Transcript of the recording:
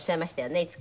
いつか。